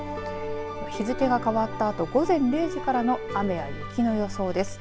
日付が変わったあと午前０時からの雨や雪の予想です。